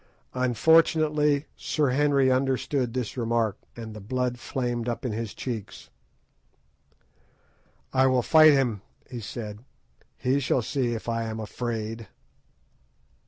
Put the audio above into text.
Unfortunately Sir Henry understood this remark, and the blood flamed up into his cheeks. "I will fight him," he said; "he shall see if I am afraid."